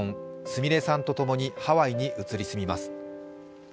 すみれさんと共にハワイに移り住みます。